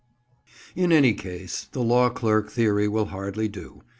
In any case, the "law clerk" theory will hardly do.